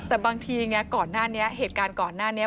แต่บางทีเนี่ยเหตุการณ์ก่อนหน้าเนี่ย